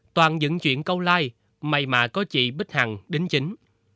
toàn dựng chuyện câu lai may mà có chị bích hằng đính chính